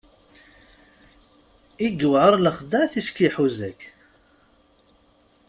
I yewɛer lexdeɛ ticki iḥuz-ak!